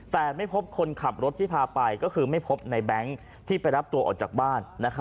แต่ไม่พบคนขับรถที่พาไปก็คือไม่พบในแบงค์ที่ไปรับตัวออกจากบ้าน